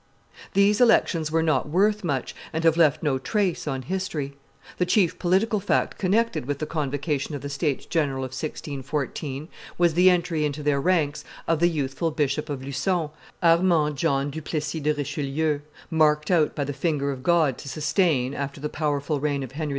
These elections were not worth much, and have left no trace on history. The chief political fact connected with the convocation of the, states general of 1614, was the entry into their ranks of the youthful Bishop of Lucon, Armand John dot Plessis de Richelieu, marked out by the finger of God to sustain, after the powerful reign of Henry IV.